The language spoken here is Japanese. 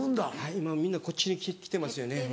今みんなこっちに来てますよね。